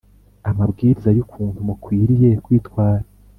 amabwiriza y ukuntu mukwiriye kwitwara